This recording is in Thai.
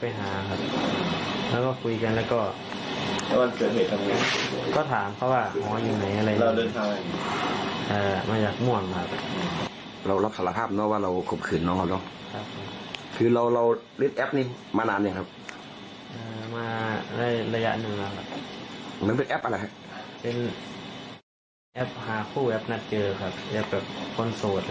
เป็นแอปหาคู่แอปนัดเจอครับเรียกว่าคนโสด